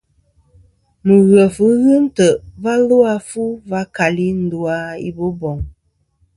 Mɨghef ghɨ ntè' va lu a fu va kali ndu a i Boboŋ.